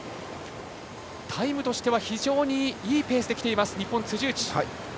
タイムとしては非常にいいペースできています日本、辻内。